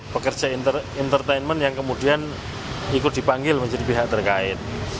pekerja entertainment yang kemudian ikut dipanggil menjadi pihak terkait